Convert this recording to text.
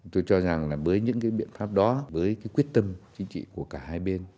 tôi cho rằng với những biện pháp đó với quyết tâm chính trị của cả hai bên